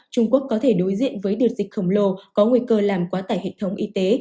trung quốc có thể đối diện với đợt dịch khổng lồ có nguy cơ làm quá tải hệ thống y tế